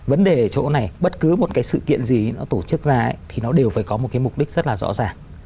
vấn đề ở chỗ này bất cứ một cái sự kiện gì nó tổ chức ra thì nó đều phải có một cái mục đích rất là rõ ràng